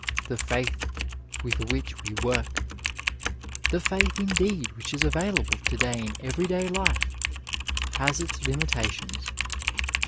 The iaith with which we work, the faitii, indeed, which is available to day in everyday life, has its limitations.